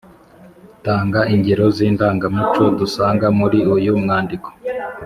tanga ingero z’indangamuco dusanga muri uyu mwandiko